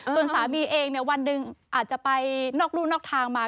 ส่วนสามีเองวันหนึ่งอาจจะไปนอกรู่นอกทางมา